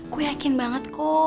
gue yakin banget kok